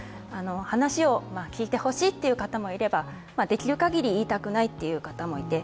話を聞いてほしいという方もいればできるかぎり言いたくないっていう方もいて